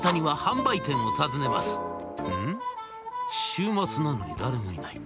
週末なのに誰もいない。